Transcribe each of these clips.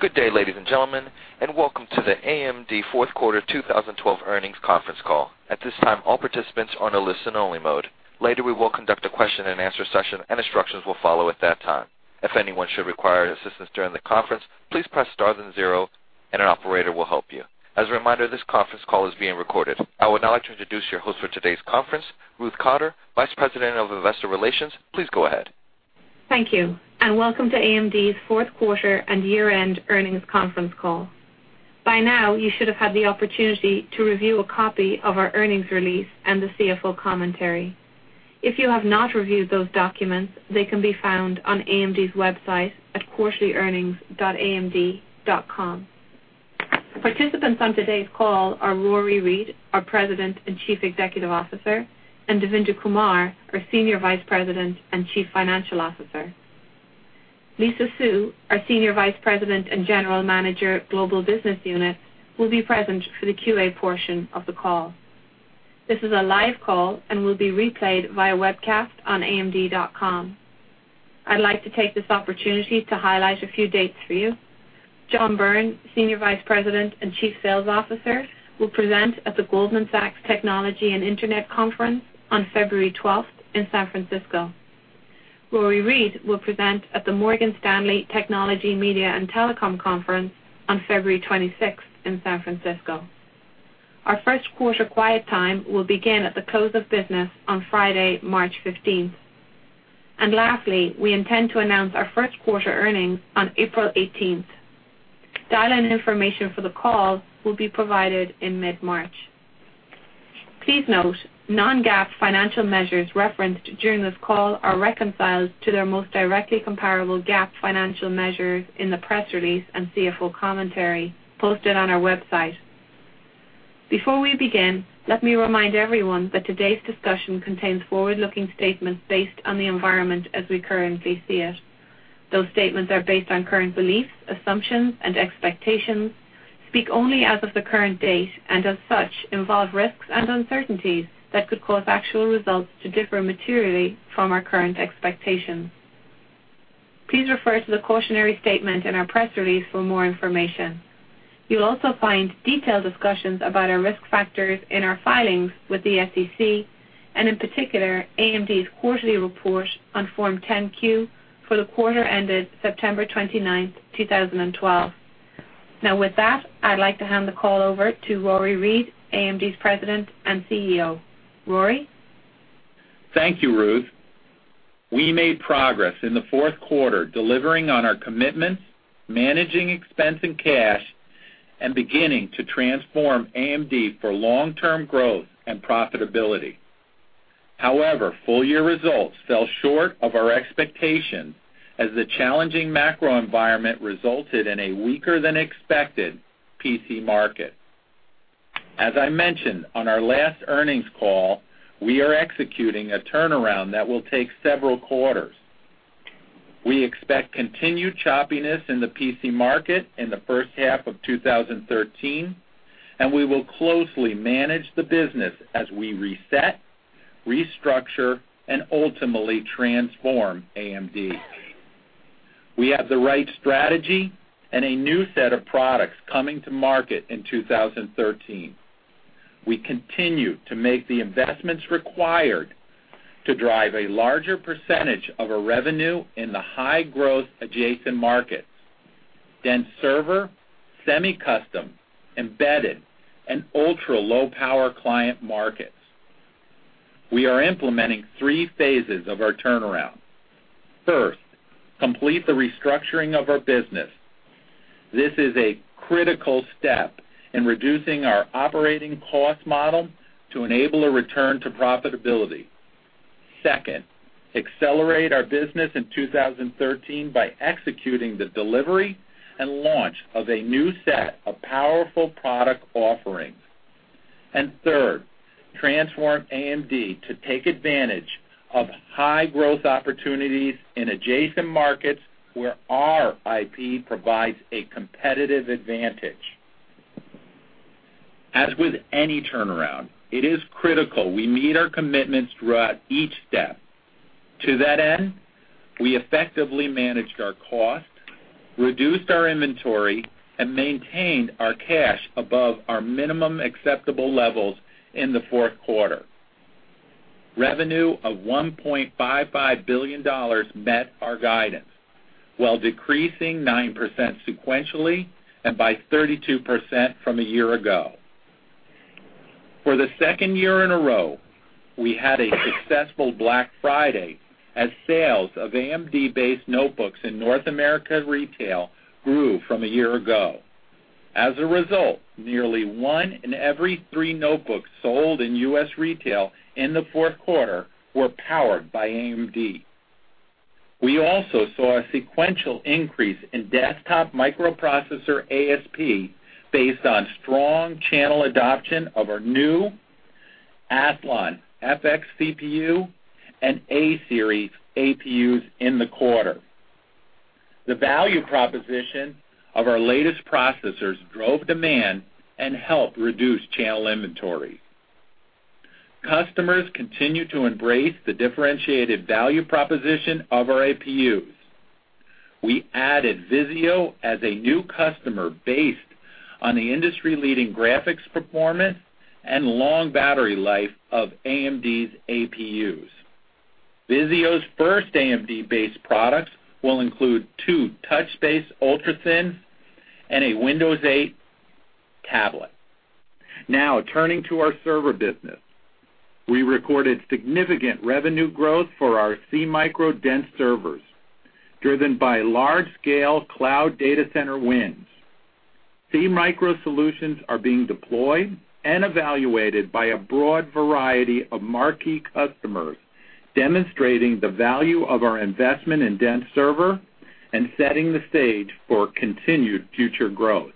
Good day, ladies and gentlemen, welcome to the AMD Fourth Quarter 2012 earnings conference call. At this time, all participants are on a listen only mode. Later, we will conduct a question and answer session and instructions will follow at that time. If anyone should require assistance during the conference, please press star then zero, and an operator will help you. As a reminder, this conference call is being recorded. I would now like to introduce your host for today's conference, Ruth Cotter, Vice President of Investor Relations. Please go ahead. Thank you, welcome to AMD's fourth quarter and year-end earnings conference call. By now, you should have had the opportunity to review a copy of our earnings release and the CFO commentary. If you have not reviewed those documents, they can be found on AMD's website at quarterlyearnings.amd.com. Participants on today's call are Rory Read, our President and Chief Executive Officer, and Devinder Kumar, our Senior Vice President and Chief Financial Officer. Lisa Su, our Senior Vice President and General Manager, Global Business Unit, will be present for the QA portion of the call. This is a live call and will be replayed via webcast on amd.com. I'd like to take this opportunity to highlight a few dates for you. John Byrne, Senior Vice President and Chief Sales Officer, will present at the Goldman Sachs Technology and Internet Conference on February 12th in San Francisco. Rory Read will present at the Morgan Stanley Technology Media and Telecom Conference on February 26th in San Francisco. Our first quarter quiet time will begin at the close of business on Friday, March 15th. Lastly, we intend to announce our first quarter earnings on April 18th. Dial-in information for the call will be provided in mid-March. Please note, non-GAAP financial measures referenced during this call are reconciled to their most directly comparable GAAP financial measures in the press release and CFO commentary posted on our website. Before we begin, let me remind everyone that today's discussion contains forward-looking statements based on the environment as we currently see it. Those statements are based on current beliefs, assumptions, and expectations, speak only as of the current date, and as such, involve risks and uncertainties that could cause actual results to differ materially from our current expectations. Please refer to the cautionary statement in our press release for more information. You will also find detailed discussions about our risk factors in our filings with the SEC, and in particular, AMD's quarterly report on Form 10-Q for the quarter ended September 29th, 2012. With that, I'd like to hand the call over to Rory Read, AMD's President and CEO. Rory? Thank you, Ruth. We made progress in the fourth quarter delivering on our commitments, managing expense and cash, and beginning to transform AMD for long-term growth and profitability. Full year results fell short of our expectations as the challenging macro environment resulted in a weaker than expected PC market. As I mentioned on our last earnings call, we are executing a turnaround that will take several quarters. We expect continued choppiness in the PC market in the first half of 2013, we will closely manage the business as we reset, restructure, and ultimately transform AMD. We have the right strategy and a new set of products coming to market in 2013. We continue to make the investments required to drive a larger % of our revenue in the high-growth adjacent markets: dense server, semi-custom, embedded, and ultra-low-power client markets. We are implementing three phases of our turnaround. First, complete the restructuring of our business. This is a critical step in reducing our operating cost model to enable a return to profitability. Second, accelerate our business in 2013 by executing the delivery and launch of a new set of powerful product offerings. Third, transform AMD to take advantage of high-growth opportunities in adjacent markets where our IP provides a competitive advantage. As with any turnaround, it is critical we meet our commitments throughout each step. To that end, we effectively managed our cost, reduced our inventory, and maintained our cash above our minimum acceptable levels in the fourth quarter. Revenue of $1.55 billion met our guidance, while decreasing 9% sequentially and by 32% from a year ago. For the second year in a row, we had a successful Black Friday as sales of AMD-based notebooks in North America retail grew from a year ago. As a result, nearly one in every three notebooks sold in U.S. retail in the fourth quarter were powered by AMD. We also saw a sequential increase in desktop microprocessor ASP based on strong channel adoption of our new Athlon FX CPU and A-Series APUs in the quarter. The value proposition of our latest processors drove demand and helped reduce channel inventory. Customers continue to embrace the differentiated value proposition of our APUs. We added Vizio as a new customer based on the industry-leading graphics performance and long battery life of AMD's APUs. Vizio's first AMD-based products will include two touch-based ultrathin and a Windows 8 tablet. Now turning to our server business. We recorded significant revenue growth for our SeaMicro dense servers, driven by large-scale cloud data center wins. SeaMicro solutions are being deployed and evaluated by a broad variety of marquee customers, demonstrating the value of our investment in dense server and setting the stage for continued future growth.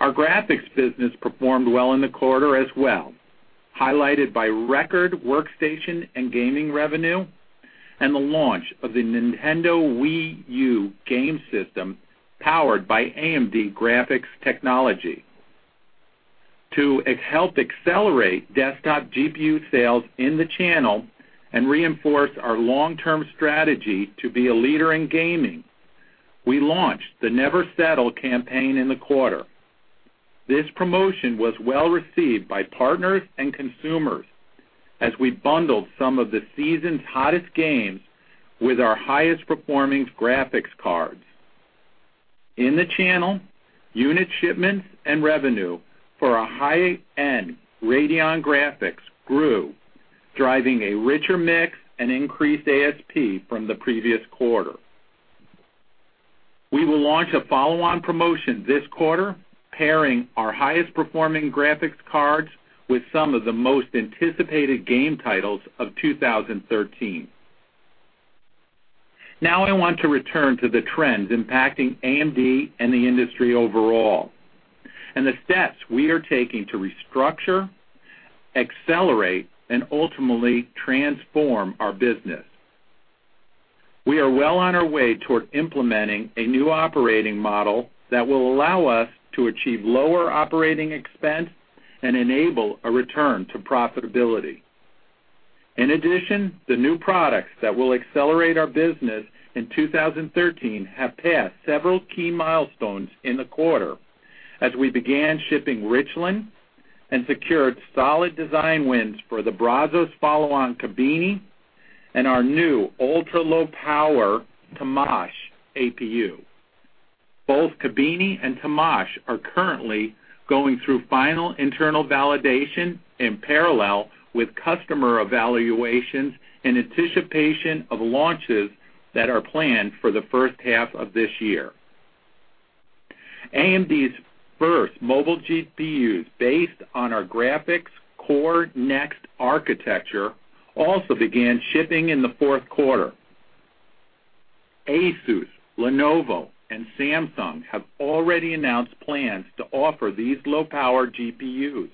Our graphics business performed well in the quarter as well, highlighted by record workstation and gaming revenue and the launch of the Nintendo Wii U game system, powered by AMD graphics technology. To help accelerate desktop GPU sales in the channel and reinforce our long-term strategy to be a leader in gaming, we launched the Never Settle campaign in the quarter. This promotion was well-received by partners and consumers as we bundled some of the season's hottest games with our highest-performing graphics cards. In the channel, unit shipments and revenue for our high-end Radeon graphics grew, driving a richer mix and increased ASP from the previous quarter. We will launch a follow-on promotion this quarter, pairing our highest-performing graphics cards with some of the most anticipated game titles of 2013. I want to return to the trends impacting AMD and the industry overall, and the steps we are taking to restructure, accelerate, and ultimately transform our business. We are well on our way toward implementing a new operating model that will allow us to achieve lower operating expense and enable a return to profitability. In addition, the new products that will accelerate our business in 2013 have passed several key milestones in the quarter as we began shipping Richland and secured solid design wins for the Brazos follow-on Kabini and our new ultra-low power Temash APU. Both Kabini and Temash are currently going through final internal validation in parallel with customer evaluations in anticipation of launches that are planned for the first half of this year. AMD's first mobile GPUs, based on our Graphics Core Next architecture, also began shipping in the fourth quarter. Asus, Lenovo, and Samsung have already announced plans to offer these low-power GPUs,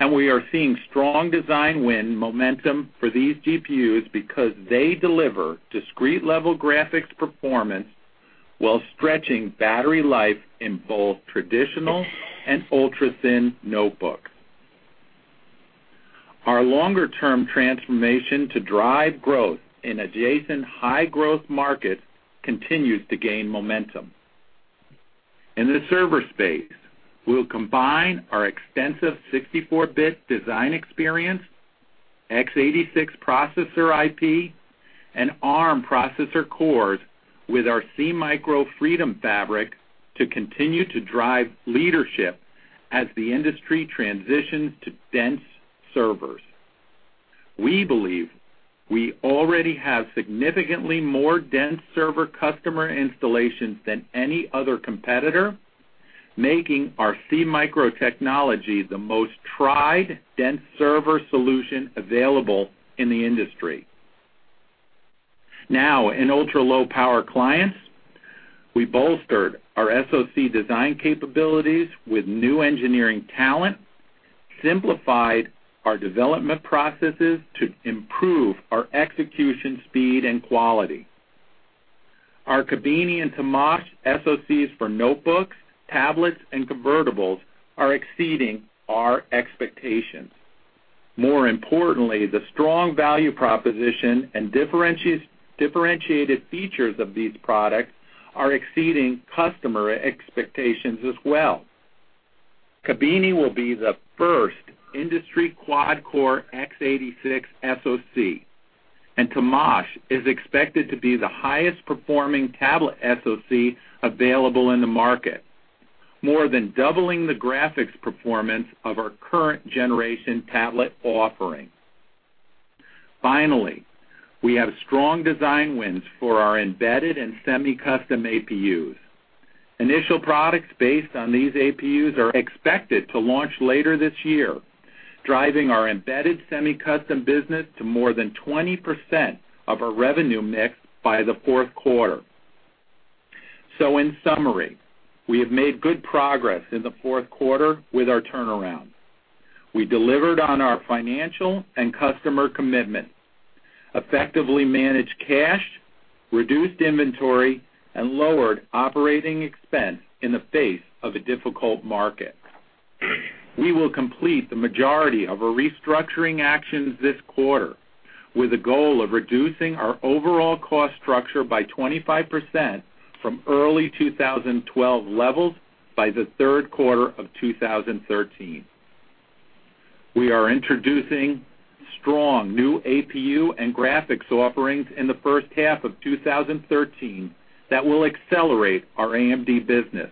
and we are seeing strong design win momentum for these GPUs because they deliver discrete-level graphics performance while stretching battery life in both traditional and ultrathin notebooks. Our longer-term transformation to drive growth in adjacent high-growth markets continues to gain momentum. In the server space, we'll combine our extensive 64-bit design experience, x86 processor IP, and ARM processor cores with our SeaMicro Freedom Fabric to continue to drive leadership as the industry transitions to dense servers. We believe we already have significantly more dense server customer installations than any other competitor, making our SeaMicro technology the most tried dense server solution available in the industry. In ultra-low power clients, we bolstered our SoC design capabilities with new engineering talent, simplified our development processes to improve our execution speed and quality. Our Kabini and Temash SoCs for notebooks, tablets, and convertibles are exceeding our expectations. More importantly, the strong value proposition and differentiated features of these products are exceeding customer expectations as well. Kabini will be the first industry quad-core x86 SoC, and Temash is expected to be the highest performing tablet SoC available in the market, more than doubling the graphics performance of our current generation tablet offering. Finally, we have strong design wins for our embedded and semi-custom APUs. Initial products based on these APUs are expected to launch later this year, driving our embedded semi-custom business to more than 20% of our revenue mix by the fourth quarter. In summary, we have made good progress in the fourth quarter with our turnaround. We delivered on our financial and customer commitment. Effectively managed cash, reduced inventory, and lowered operating expense in the face of a difficult market. We will complete the majority of our restructuring actions this quarter with the goal of reducing our overall cost structure by 25% from early 2012 levels by the third quarter of 2013. We are introducing strong new APU and graphics offerings in the first half of 2013 that will accelerate our AMD business,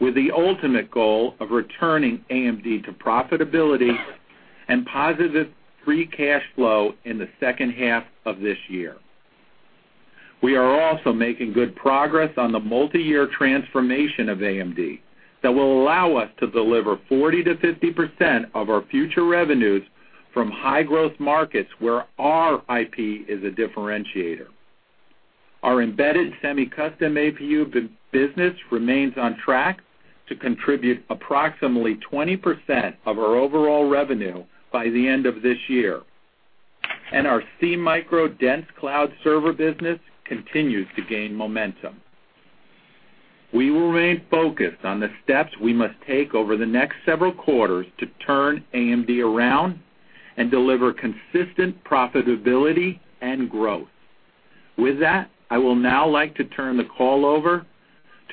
with the ultimate goal of returning AMD to profitability and positive free cash flow in the second half of this year. We are also making good progress on the multi-year transformation of AMD that will allow us to deliver 40%-50% of our future revenues from high-growth markets where our IP is a differentiator. Our embedded semi-custom APU business remains on track to contribute approximately 20% of our overall revenue by the end of this year. Our SeaMicro dense cloud server business continues to gain momentum. We will remain focused on the steps we must take over the next several quarters to turn AMD around and deliver consistent profitability and growth. With that, I will now like to turn the call over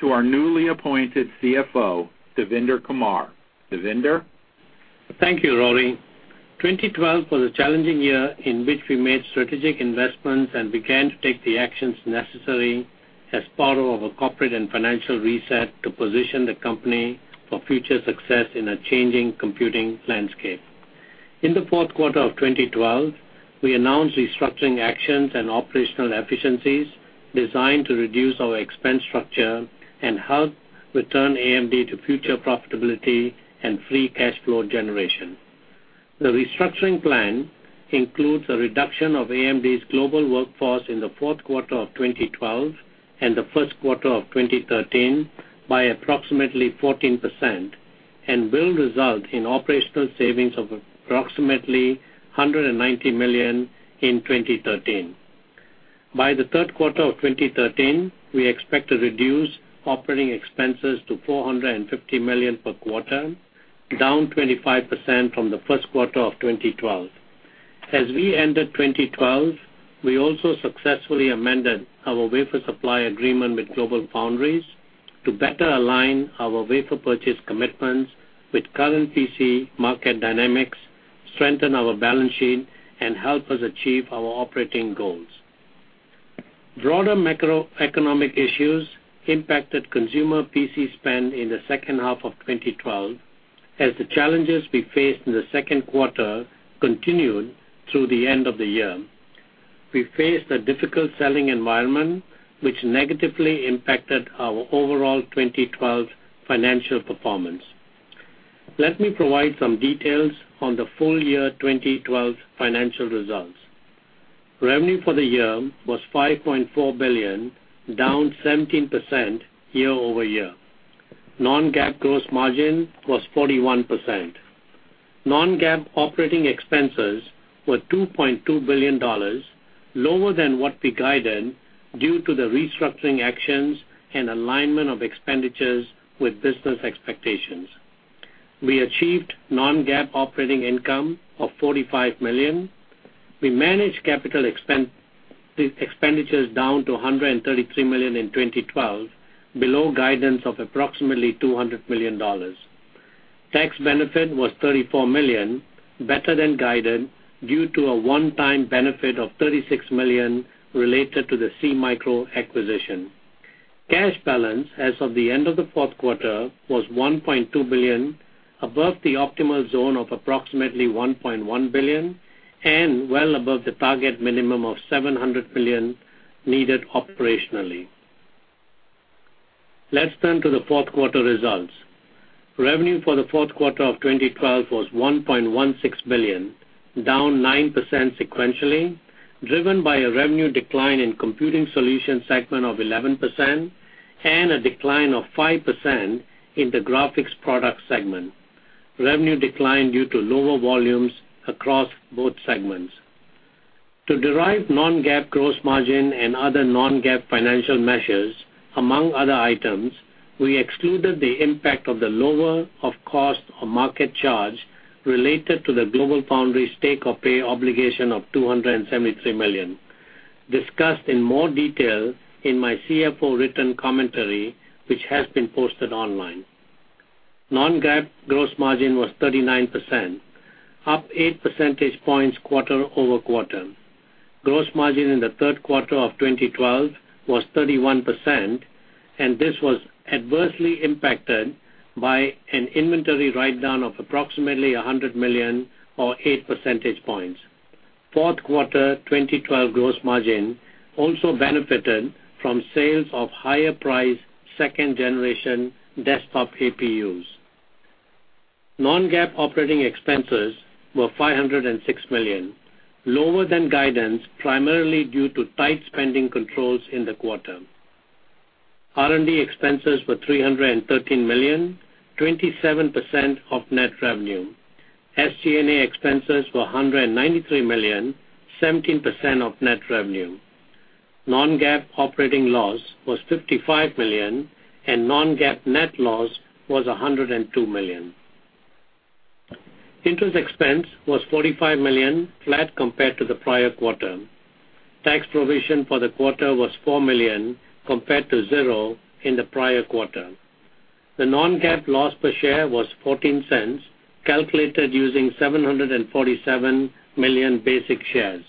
to our newly appointed CFO, Devinder Kumar. Devinder? Thank you, Rory. 2012 was a challenging year in which we made strategic investments and began to take the actions necessary as part of a corporate and financial reset to position the company for future success in a changing computing landscape. In the fourth quarter of 2012, we announced restructuring actions and operational efficiencies designed to reduce our expense structure and help return AMD to future profitability and free cash flow generation. The restructuring plan includes a reduction of AMD's global workforce in the fourth quarter of 2012 and the first quarter of 2013 by approximately 14% and will result in operational savings of approximately $190 million in 2013. By the third quarter of 2013, we expect to reduce operating expenses to $450 million per quarter, down 25% from the first quarter of 2012. As we ended 2012, we also successfully amended our wafer supply agreement with GlobalFoundries to better align our wafer purchase commitments with current PC market dynamics, strengthen our balance sheet, and help us achieve our operating goals. Broader macroeconomic issues impacted consumer PC spend in the second half of 2012, as the challenges we faced in the second quarter continued through the end of the year. We faced a difficult selling environment, which negatively impacted our overall 2012 financial performance. Let me provide some details on the full year 2012 financial results. Revenue for the year was $5.4 billion, down 17% year-over-year. Non-GAAP gross margin was 41%. Non-GAAP operating expenses were $2.2 billion, lower than what we guided due to the restructuring actions and alignment of expenditures with business expectations. We achieved non-GAAP operating income of $45 million. We managed capital expenditures down to $133 million in 2012, below guidance of approximately $200 million. Tax benefit was $34 million, better than guided, due to a one-time benefit of $36 million related to the SeaMicro acquisition. Cash balance as of the end of the fourth quarter was $1.2 billion, above the optimal zone of approximately $1.1 billion and well above the target minimum of $700 million needed operationally. Let's turn to the fourth quarter results. Revenue for the fourth quarter of 2012 was $1.16 billion, down 9% sequentially, driven by a revenue decline in computing solutions segment of 11% and a decline of 5% in the graphics product segment. Revenue declined due to lower volumes across both segments. To derive non-GAAP gross margin and other non-GAAP financial measures, among other items, we excluded the impact of the lower of cost or market charge related to the GlobalFoundries take-or-pay obligation of $273 million, discussed in more detail in my CFO written commentary, which has been posted online. Non-GAAP gross margin was 39%, up eight percentage points quarter-over-quarter. Gross margin in the third quarter of 2012 was 31%. This was adversely impacted by an inventory write-down of approximately $100 million or eight percentage points. Fourth quarter 2012 gross margin also benefited from sales of higher priced second-generation desktop APUs. Non-GAAP operating expenses were $506 million, lower than guidance, primarily due to tight spending controls in the quarter. R&D expenses were $313 million, 27% of net revenue. SG&A expenses were $193 million, 17% of net revenue. Non-GAAP operating loss was $55 million. Non-GAAP net loss was $102 million. Interest expense was $45 million, flat compared to the prior quarter. Tax provision for the quarter was $4 million compared to zero in the prior quarter. The non-GAAP loss per share was $0.14, calculated using 747 million basic shares.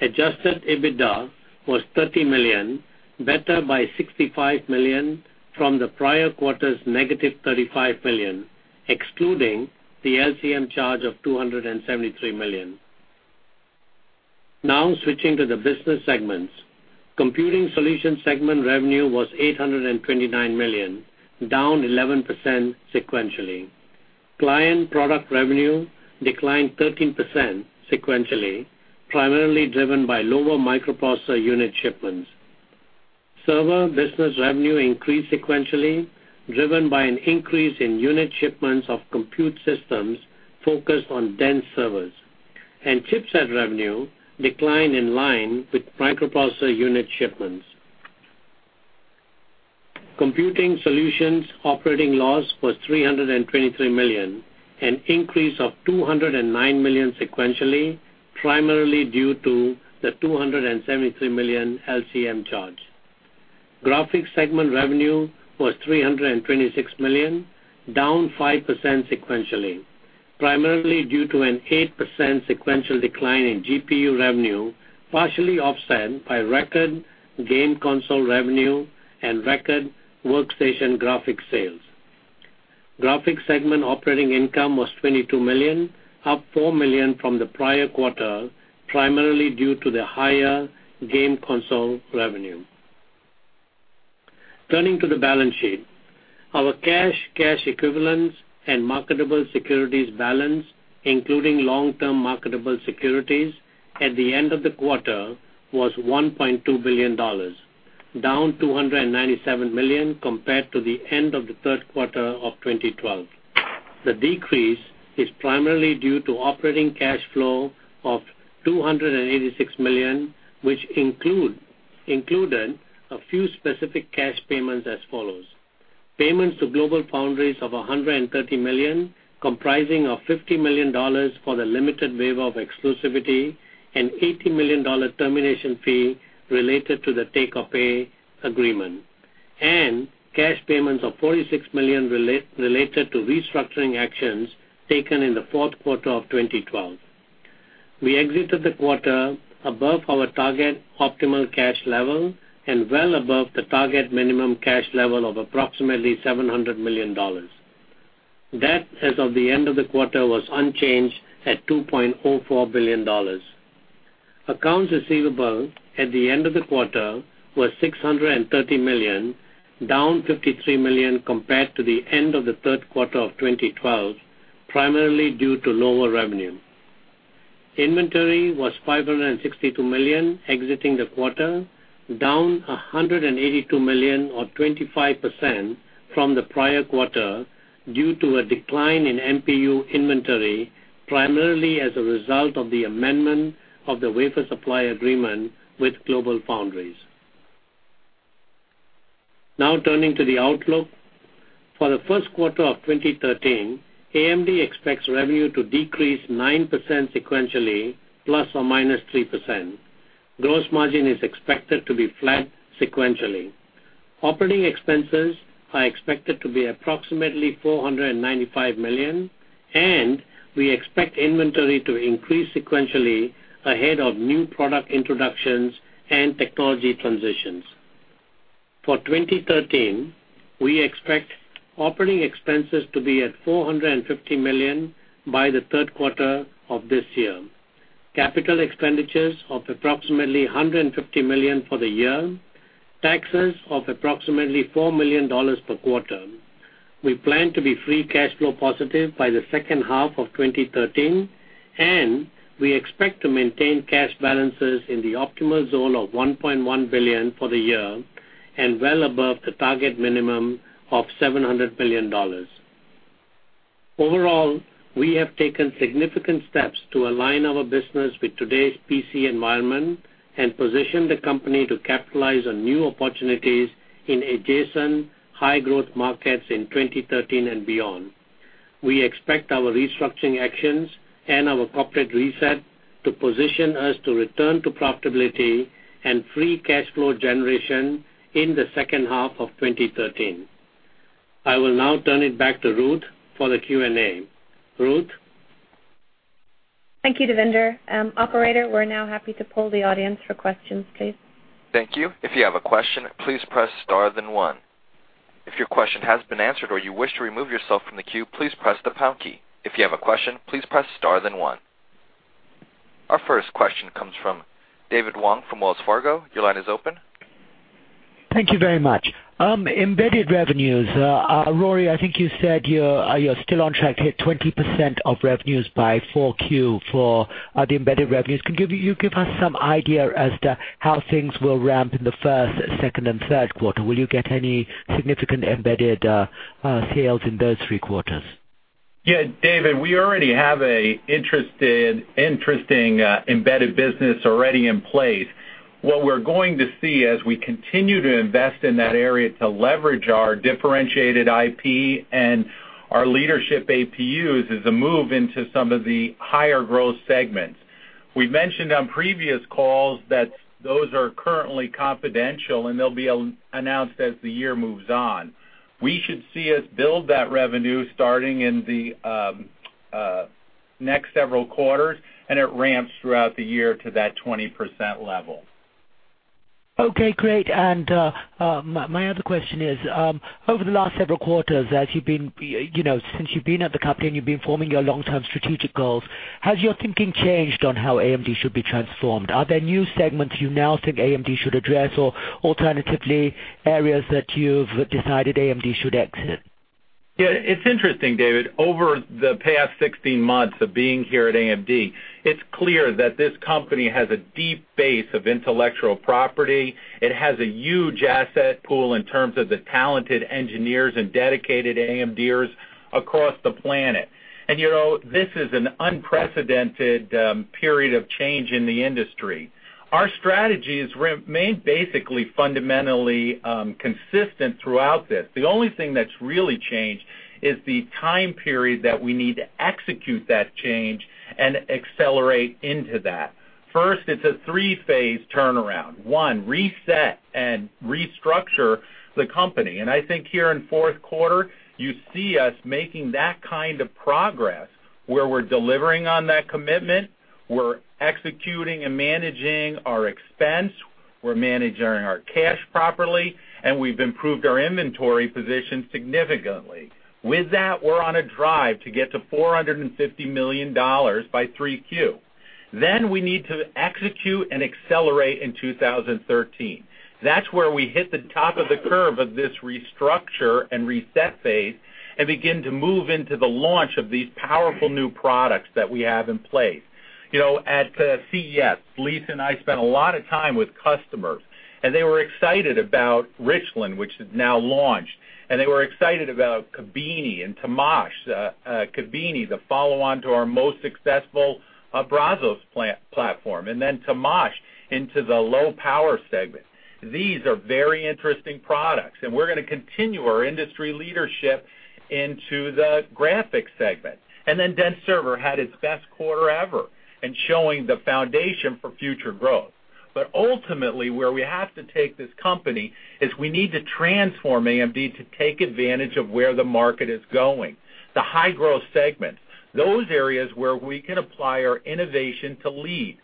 Adjusted EBITDA was $30 million, better by $65 million from the prior quarter's negative $35 million, excluding the LCM charge of $273 million. Switching to the business segments. Computing Solutions segment revenue was $829 million, down 11% sequentially. Client product revenue declined 13% sequentially, primarily driven by lower microprocessor unit shipments. Server business revenue increased sequentially, driven by an increase in unit shipments of compute systems focused on dense servers. Chipset revenue declined in line with microprocessor unit shipments. Computing Solutions operating loss was $323 million, an increase of $209 million sequentially, primarily due to the $273 million LCM charge. Graphics segment revenue was $326 million, down 5% sequentially, primarily due to an 8% sequential decline in GPU revenue, partially offset by record game console revenue and record workstation graphic sales. Graphics segment operating income was $22 million, up $4 million from the prior quarter, primarily due to the higher game console revenue. Turning to the balance sheet. Our cash equivalents, and marketable securities balance, including long-term marketable securities at the end of the quarter was $1.2 billion, down $297 million compared to the end of the third quarter of 2012. The decrease is primarily due to operating cash flow of $286 million, which included a few specific cash payments as follows. Payments to GlobalFoundries of $130 million, comprising of $50 million for the limited waiver of exclusivity and $80 million termination fee related to the take-or-pay agreement. Cash payments of $46 million related to restructuring actions taken in the fourth quarter of 2012. We exited the quarter above our target optimal cash level and well above the target minimum cash level of approximately $700 million. Debt as of the end of the quarter was unchanged at $2.04 billion. Accounts receivable at the end of the quarter was $630 million, down $53 million compared to the end of the third quarter of 2012, primarily due to lower revenue. Inventory was $562 million exiting the quarter, down $182 million or 25% from the prior quarter due to a decline in MPU inventory, primarily as a result of the amendment of the wafer supply agreement with GlobalFoundries. Turning to the outlook. For the first quarter of 2013, AMD expects revenue to decrease 9% sequentially, ±3%. Gross margin is expected to be flat sequentially. Operating expenses are expected to be approximately $495 million, and we expect inventory to increase sequentially ahead of new product introductions and technology transitions. For 2013, we expect operating expenses to be at $450 million by the third quarter of this year, capital expenditures of approximately $150 million for the year, taxes of approximately $4 million per quarter. We plan to be free cash flow positive by the second half of 2013, and we expect to maintain cash balances in the optimal zone of $1.1 billion for the year, and well above the target minimum of $700 million. Overall, we have taken significant steps to align our business with today's PC environment and position the company to capitalize on new opportunities in adjacent high-growth markets in 2013 and beyond. We expect our restructuring actions and our corporate reset to position us to return to profitability and free cash flow generation in the second half of 2013. I will now turn it back to Ruth for the Q&A. Ruth? Thank you, Devinder. Operator, we're now happy to poll the audience for questions, please. Thank you. If you have a question, please press star then one. If your question has been answered or you wish to remove yourself from the queue, please press the pound key. If you have a question, please press star then one. Our first question comes from David Wong from Wells Fargo. Your line is open. Thank you very much. Embedded revenues. Rory, I think you said you're still on track to hit 20% of revenues by 4Q for the embedded revenues. Can you give us some idea as to how things will ramp in the first, second, and third quarter? Will you get any significant embedded sales in those three quarters? Yeah, David, we already have an interesting embedded business already in place. What we're going to see as we continue to invest in that area to leverage our differentiated IP and our leadership APUs, is a move into some of the higher growth segments. We've mentioned on previous calls that those are currently confidential, and they'll be announced as the year moves on. We should see us build that revenue starting in the next several quarters, and it ramps throughout the year to that 20% level. Okay, great. My other question is, over the last several quarters, since you've been at the company and you've been forming your long-term strategic goals, has your thinking changed on how AMD should be transformed? Are there new segments you now think AMD should address or alternatively, areas that you've decided AMD should exit? Yeah. It's interesting, David. Over the past 16 months of being here at AMD, it's clear that this company has a deep base of intellectual property. It has a huge asset pool in terms of the talented engineers and dedicated AMDers across the planet. This is an unprecedented period of change in the industry. Our strategy has remained basically fundamentally consistent throughout this. The only thing that's really changed is the time period that we need to execute that change and accelerate into that. First, it's a three-phase turnaround. One, reset and restructure the company. I think here in fourth quarter, you see us making that kind of progress, where we're delivering on that commitment, we're executing and managing our expense, we're managing our cash properly, and we've improved our inventory position significantly. With that, we're on a drive to get to $450 million by 3Q. We need to execute and accelerate in 2013. That's where we hit the top of the curve of this restructure and reset phase and begin to move into the launch of these powerful new products that we have in place. At CES, Lisa and I spent a lot of time with customers, and they were excited about Richland, which is now launched, and they were excited about Kabini and Temash. Kabini, the follow-on to our most successful Brazos platform, and then Temash into the low power segment. These are very interesting products, and we're going to continue our industry leadership into the graphics segment. Dense Server had its best quarter ever and showing the foundation for future growth. Ultimately, where we have to take this company is we need to transform AMD to take advantage of where the market is going. The high-growth segments, those areas where we can apply our innovation to lead.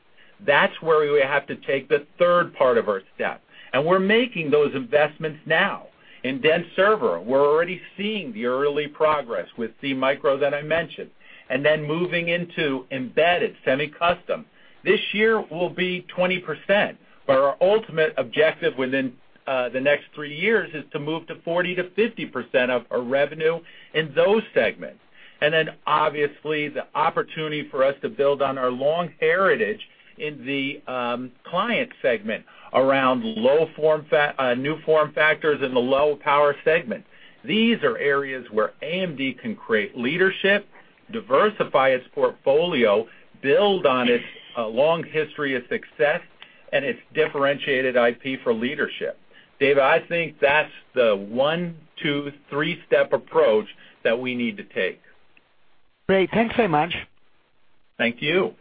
That's where we have to take the third part of our step, and we're making those investments now. In Dense Server, we're already seeing the early progress with SeaMicro that I mentioned. Moving into embedded semi-custom. This year will be 20%, but our ultimate objective within the next three years is to move to 40%-50% of our revenue in those segments. Obviously, the opportunity for us to build on our long heritage in the client segment around new form factors in the low power segment. These are areas where AMD can create leadership, diversify its portfolio, build on its long history of success and its differentiated IP for leadership. David, I think that's the one, two, three-step approach that we need to take. Great. Thanks so much. Thank you.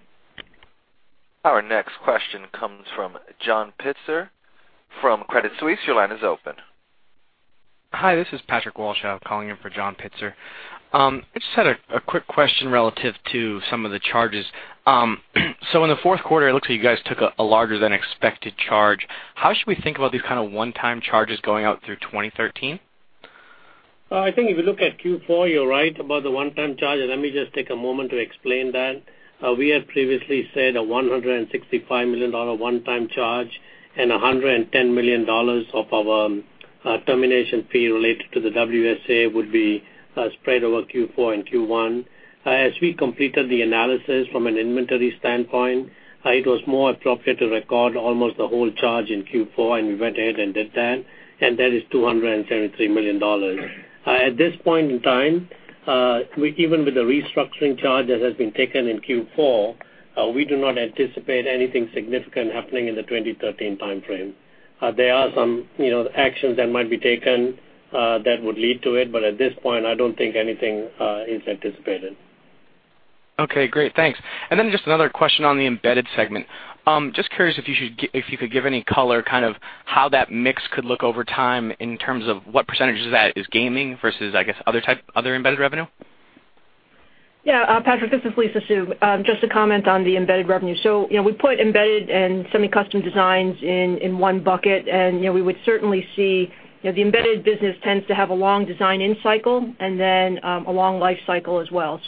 Our next question comes from John Pitzer from Credit Suisse. Your line is open. Hi, this is Patrick Walsh. I am calling in for John Pitzer. I just had a quick question relative to some of the charges. In the fourth quarter, it looks like you guys took a larger than expected charge. How should we think about these kind of one-time charges going out through 2013? I think if you look at Q4, you are right about the one-time charge, let me just take a moment to explain that. We had previously said a $165 million one-time charge and $110 million of our termination fee related to the WSA would be spread over Q4 and Q1. As we completed the analysis from an inventory standpoint, it was more appropriate to record almost the whole charge in Q4, we went ahead and did that is $273 million. At this point in time, even with the restructuring charge that has been taken in Q4, we do not anticipate anything significant happening in the 2013 timeframe. There are some actions that might be taken that would lead to it, at this point, I don't think anything is anticipated. Okay, great. Thanks. Then just another question on the embedded segment. Just curious if you could give any color, how that mix could look over time in terms of what % of that is gaming versus other embedded revenue? Patrick, this is Lisa Su. Just to comment on the embedded revenue. We put embedded and semi-custom designs in one bucket, and we would certainly see the embedded business tends to have a long design in cycle and then a long life cycle as well.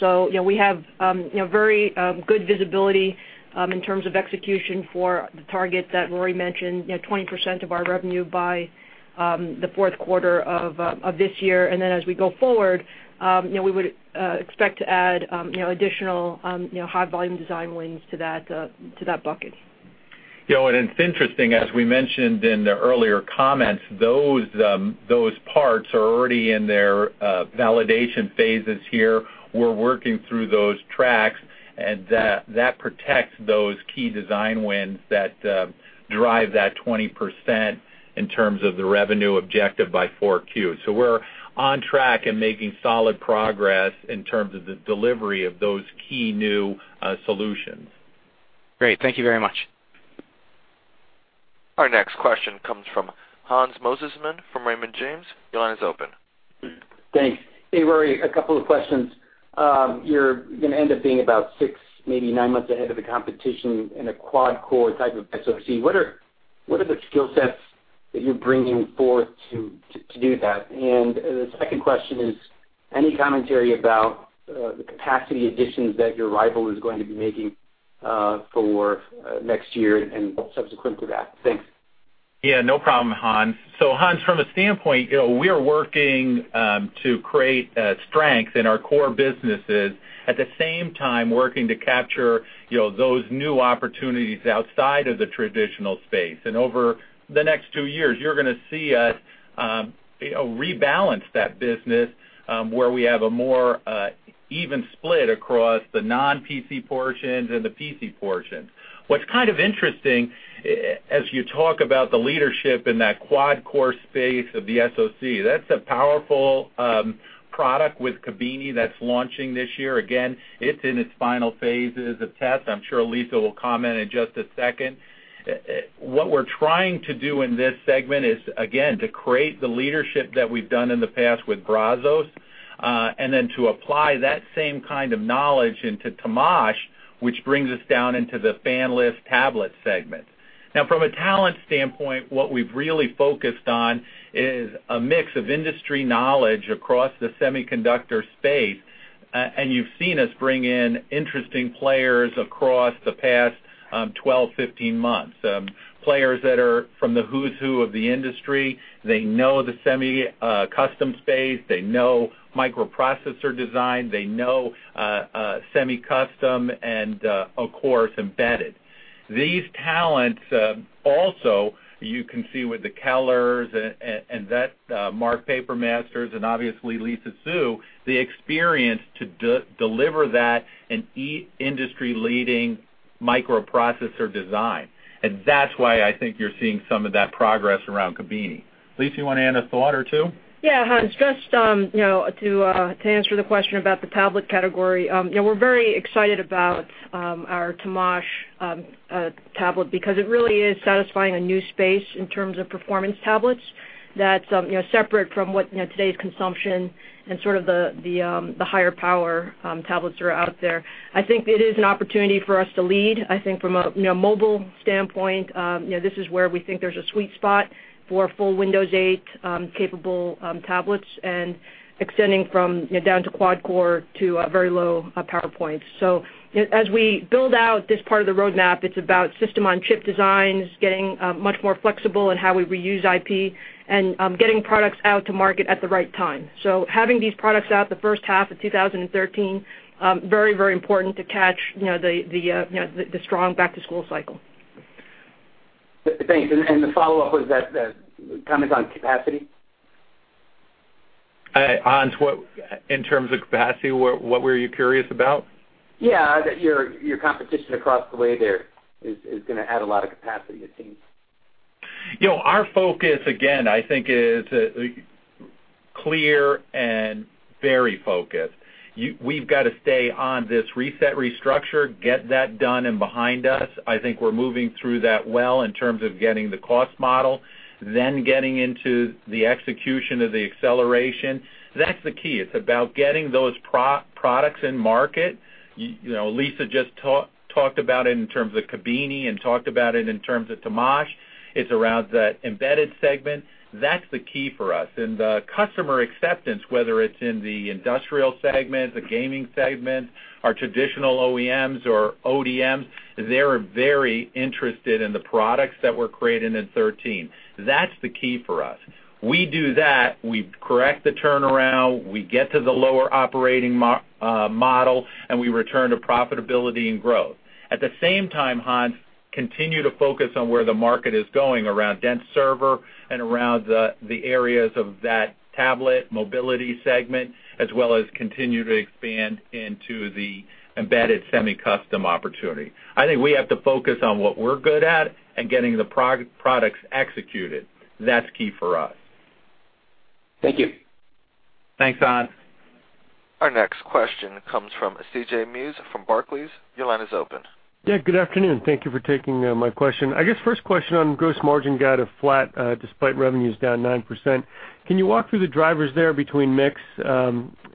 We have very good visibility in terms of execution for the target that Rory mentioned, 20% of our revenue by the fourth quarter of this year. As we go forward, we would expect to add additional high volume design wins to that bucket. It's interesting, as we mentioned in the earlier comments, those parts are already in their validation phases here. We're working through those tracks, and that protects those key design wins that drive that 20% in terms of the revenue objective by 4Q. We're on track and making solid progress in terms of the delivery of those key new solutions. Great. Thank you very much. Our next question comes from Hans Mosesmann from Raymond James. Your line is open. Thanks. Hey, Rory, a couple of questions. You're going to end up being about six, maybe nine months ahead of the competition in a quad-core type of SOC. What are the skill sets that you're bringing forth to do that? The second question is, any commentary about the capacity additions that your rival is going to be making for next year and subsequent to that? Thanks. Yeah, no problem, Hans. Hans, from a standpoint, we are working to create strength in our core businesses, at the same time working to capture those new opportunities outside of the traditional space. Over the next two years, you're going to see us rebalance that business, where we have a more even split across the non-PC portions and the PC portions. What's kind of interesting, as you talk about the leadership in that quad-core space of the SOC, that's a powerful product with Kabini that's launching this year. Again, it's in its final phases of test. I'm sure Lisa will comment in just a second. What we're trying to do in this segment is, again, to create the leadership that we've done in the past with Brazos, and then to apply that same kind of knowledge into Temash, which brings us down into the fanless tablet segment. Now, from a talent standpoint, what we've really focused on is a mix of industry knowledge across the semiconductor space, and you've seen us bring in interesting players across the past 12, 15 months, players that are from the who's who of the industry. They know the semi-custom space. They know microprocessor design. They know semi-custom and, of course, embedded. These talents, also, you can see with the Kellers and Mark Papermaster and obviously Lisa Su, the experience to deliver that in industry-leading microprocessor design. That's why I think you're seeing some of that progress around Kabini. Lisa, you want to add a thought or two? Yeah, Hans, just to answer the question about the tablet category, we're very excited about our Temash tablet because it really is satisfying a new space in terms of performance tablets that's separate from what today's consumption and sort of the higher power tablets that are out there. I think it is an opportunity for us to lead. I think from a mobile standpoint, this is where we think there's a sweet spot for full Windows 8 capable tablets and extending from down to quad-core to very low power points. As we build out this part of the roadmap, it's about system on chip designs, getting much more flexible in how we reuse IP, and getting products out to market at the right time. Having these products out the first half of 2013, very important to catch the strong back-to-school cycle. Thanks. The follow-up was that comment on capacity. Hans, in terms of capacity, what were you curious about? Yeah, that your competition across the way there is going to add a lot of capacity, it seems. Our focus, again, I think, is clear and very focused. We've got to stay on this reset restructure, get that done and behind us. I think we're moving through that well in terms of getting the cost model, then getting into the execution of the acceleration. That's the key. It's about getting those products in market. Lisa just talked about it in terms of Kabini and talked about it in terms of Temash. It's around that embedded segment. That's the key for us, and the customer acceptance, whether it's in the industrial segment, the gaming segment, our traditional OEMs or ODMs, they are very interested in the products that we're creating in 2013. That's the key for us. We do that, we correct the turnaround, we get to the lower operating model, we return to profitability and growth. At the same time, Hans, continue to focus on where the market is going around dense server and around the areas of that tablet mobility segment, as well as continue to expand into the embedded semi-custom opportunity. I think we have to focus on what we're good at and getting the products executed. That's key for us. Thank you. Thanks, Hans. Our next question comes from C.J. Muse from Barclays. Your line is open. Yeah, good afternoon. Thank you for taking my question. I guess first question on gross margin guide of flat despite revenues down 9%. Can you walk through the drivers there between mix,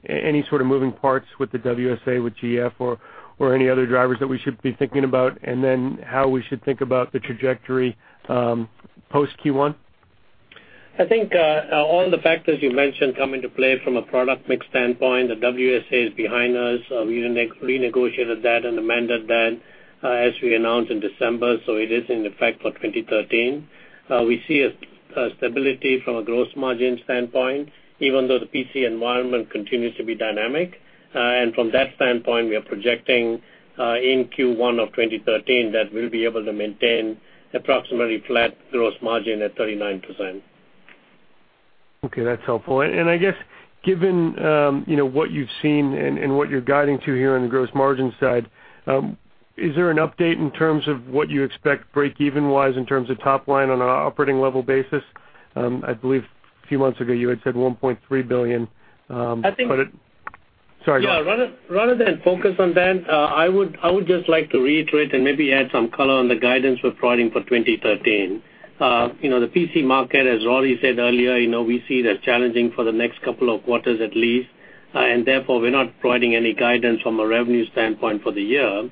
any sort of moving parts with the WSA, with GF, or any other drivers that we should be thinking about, and then how we should think about the trajectory post Q1? I think all the factors you mentioned come into play from a product mix standpoint. The WSA is behind us. We renegotiated that and amended that as we announced in December, so it is in effect for 2013. From that standpoint, we are projecting in Q1 of 2013 that we'll be able to maintain approximately flat gross margin at 39%. Okay, that's helpful. I guess given what you've seen and what you're guiding to here on the gross margin side, is there an update in terms of what you expect breakeven-wise in terms of top line on an operating level basis? I believe a few months ago you had said $1.3 billion. I think- Sorry, go ahead. Yeah, rather than focus on that, I would just like to reiterate and maybe add some color on the guidance we're providing for 2013. The PC market, as Rory said earlier, we see it as challenging for the next couple of quarters at least, therefore, we're not providing any guidance from a revenue standpoint for the year.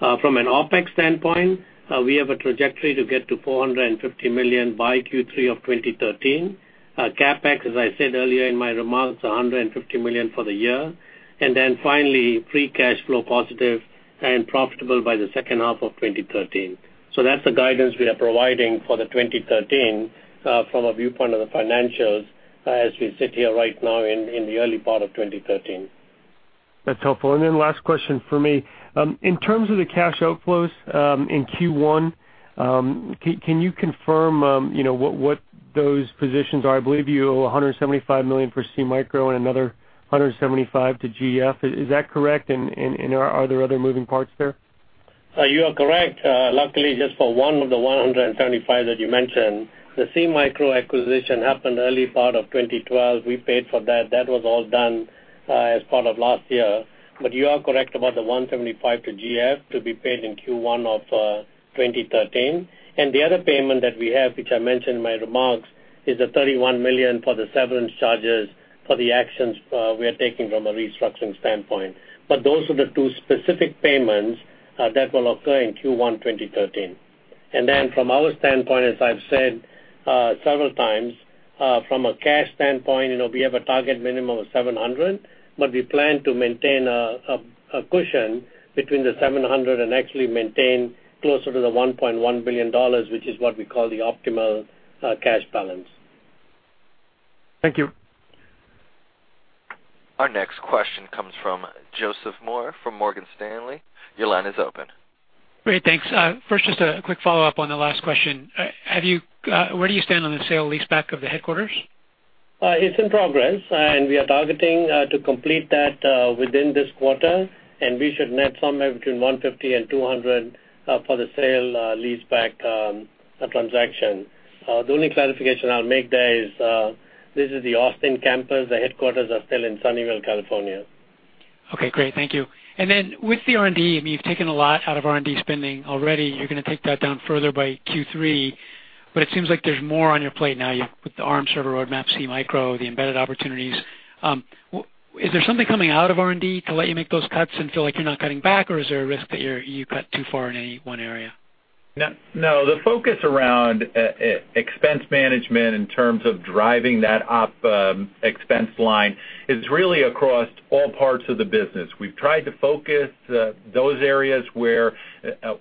From an OpEx standpoint, we have a trajectory to get to $450 million by Q3 of 2013. CapEx, as I said earlier in my remarks, $150 million for the year. Finally, free cash flow positive and profitable by the second half of 2013. That's the guidance we are providing for the 2013, from a viewpoint of the financials, as we sit here right now in the early part of 2013. That's helpful. Last question from me. In terms of the cash outflows in Q1, can you confirm what those positions are? I believe you owe $175 million for SeaMicro and another $175 to GF. Is that correct? Are there other moving parts there? You are correct. Luckily just for one of the $175 that you mentioned, the SeaMicro acquisition happened early part of 2012. We paid for that. That was all done as part of last year. You are correct about the $175 to GF to be paid in Q1 of 2013. The other payment that we have, which I mentioned in my remarks, is the $31 million for the severance charges for the actions we are taking from a restructuring standpoint. Those are the two specific payments that will occur in Q1 2013. From our standpoint, as I've said several times, from a cash standpoint, we have a target minimum of $700, but we plan to maintain a cushion between the $700 and actually maintain closer to the $1.1 billion, which is what we call the optimal cash balance. Thank you. Our next question comes from Joseph Moore from Morgan Stanley. Your line is open. Great, thanks. First, just a quick follow-up on the last question. Where do you stand on the sale leaseback of the headquarters? It's in progress. We are targeting to complete that within this quarter. We should net somewhere between $150 and $200 for the sale leaseback transaction. The only clarification I'll make there is this is the Austin campus. The headquarters are still in Sunnyvale, California. Okay, great. Thank you. With the R&D, you've taken a lot out of R&D spending already. You're going to take that down further by Q3, but it seems like there's more on your plate now with the ARM server roadmap, SeaMicro, the embedded opportunities. Is there something coming out of R&D to let you make those cuts and feel like you're not cutting back, or is there a risk that you cut too far in any one area? No. The focus around expense management in terms of driving that OpEx line is really across all parts of the business. We've tried to focus those areas where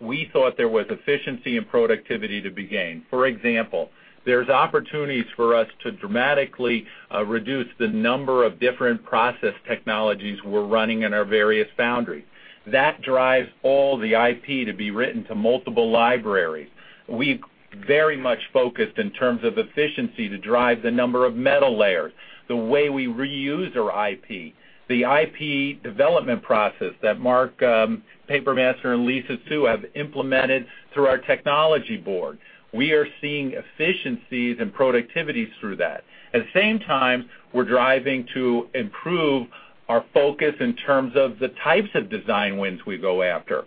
we thought there was efficiency and productivity to be gained. For example, there's opportunities for us to dramatically reduce the number of different process technologies we're running in our various foundries. That drives all the IP to be written to multiple libraries. We very much focused in terms of efficiency to drive the number of metal layers, the way we reuse our IP, the IP development process that Mark Papermaster and Lisa Su have implemented through our technology board. We are seeing efficiencies and productivities through that. At the same time, we're driving to improve our focus in terms of the types of design wins we go after.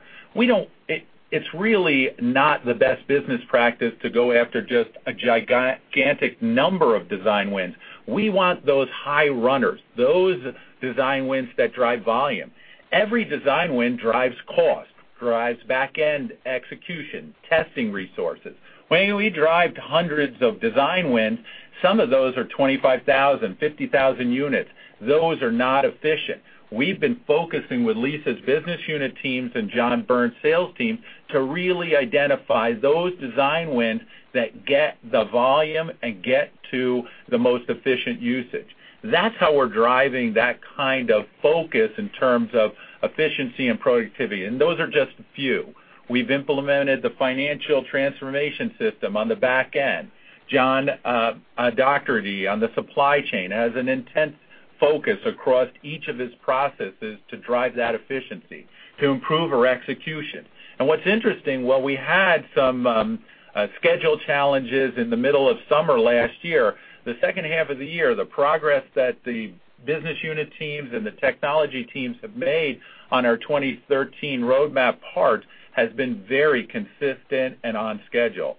It's really not the best business practice to go after just a gigantic number of design wins. We want those high runners, those design wins that drive volume. Every design win drives cost, drives back-end execution, testing resources. When we drive to hundreds of design wins, some of those are 25,000, 50,000 units. Those are not efficient. We've been focusing with Lisa's business unit teams and John Byrne's sales team to really identify those design wins that get the volume and get to the most efficient usage. That's how we're driving that kind of focus in terms of efficiency and productivity, and those are just a few. We've implemented the financial transformation system on the back end. John Dougherty on the supply chain has an intense focus across each of his processes to drive that efficiency, to improve our execution. What's interesting, while we had some schedule challenges in the middle of summer last year, the second half of the year, the progress that the business unit teams and the technology teams have made on our 2013 roadmap part has been very consistent and on schedule.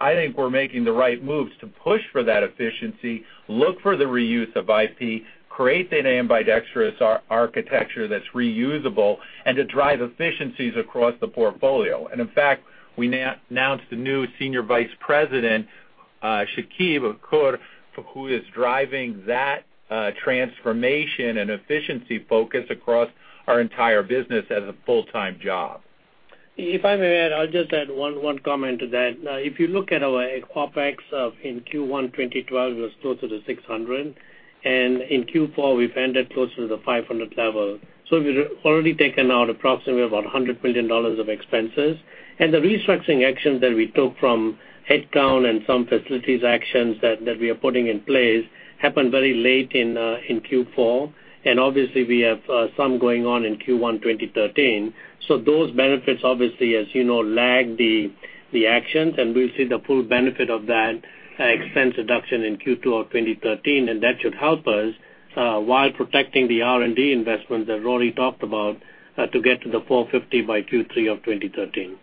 I think we're making the right moves to push for that efficiency, look for the reuse of IP, create data ambidextrous architecture that's reusable, to drive efficiencies across the portfolio. In fact, we announced a new Senior Vice President, Chekib Akrout, who is driving that transformation and efficiency focus across our entire business as a full-time job. If I may add, I'll just add one comment to that. If you look at our OpEx in Q1 2012, it was closer to $600, and in Q4, we've ended closer to the $500 level. We've already taken out approximately about $100 million of expenses. The restructuring actions that we took from headcount and some facilities actions that we are putting in place happened very late in Q4, and obviously we have some going on in Q1 2013. Those benefits, obviously, as you know, lag the actions, and we'll see the full benefit of that expense deduction in Q2 of 2013, and that should help us, while protecting the R&D investment that Rory talked about, to get to the $450 by Q3 of 2013.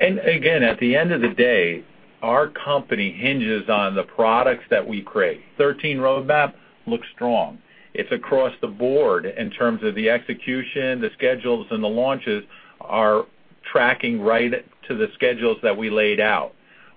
Again, at the end of the day, our company hinges on the products that we create. 2013 roadmap looks strong. It's across the board in terms of the execution, the schedules, and the launches are tracking right to the schedules that we laid out.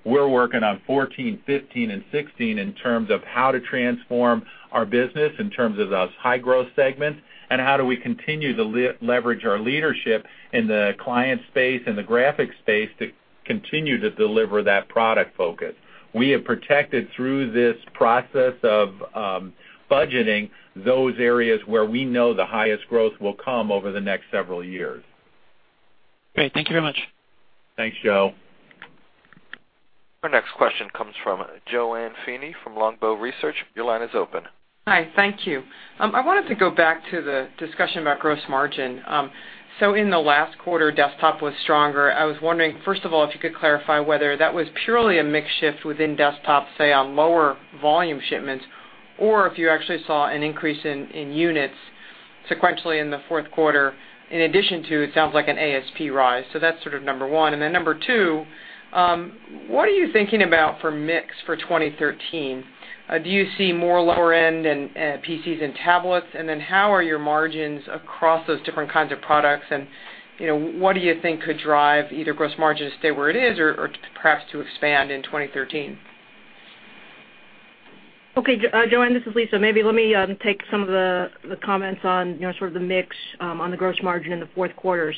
We're working on 2014, 2015, and 2016 in terms of how to transform our business, in terms of those high-growth segments, and how do we continue to leverage our leadership in the client space and the graphics space to continue to deliver that product focus. We have protected through this process of budgeting those areas where we know the highest growth will come over the next several years. Great. Thank you very much. Thanks, Joe. Our next question comes from JoAnne Feeney from Longbow Research. Your line is open. Hi. Thank you. I wanted to go back to the discussion about gross margin. In the last quarter, desktop was stronger. I was wondering, first of all, if you could clarify whether that was purely a mix shift within desktop, say, on lower volume shipments, or if you actually saw an increase in units sequentially in the fourth quarter, in addition to, it sounds like, an ASP rise. That's sort of number 1. Number 2, what are you thinking about for mix for 2013? Do you see more lower end in PCs and tablets? How are your margins across those different kinds of products? What do you think could drive either gross margin to stay where it is or perhaps to expand in 2013? Okay, JoAnne, this is Lisa. Maybe let me take some of the comments on sort of the mix on the gross margin in the fourth quarter.